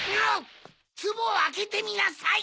つぼをあけてみなさい！